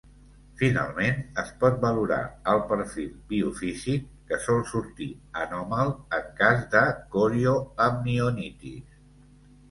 Finalment, es pot valorar el perfil biofísic que sol sortir anòmal en cas de corioamnionitis.